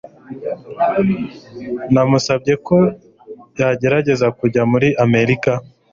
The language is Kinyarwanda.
Namusabye ko yagerageza kujya muri Amerika